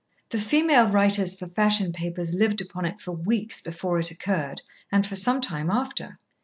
The female writers for fashion papers lived upon it for weeks before it occurred and for some time after.